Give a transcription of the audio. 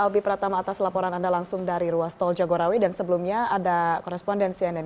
baik terima kasih